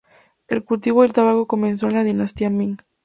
El cultivo del tabaco comenzó en la Dinastía Ming.